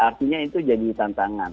artinya itu jadi tantangan